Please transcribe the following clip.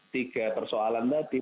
tiga persoalan tadi